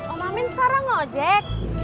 om amin sekarang nge ojek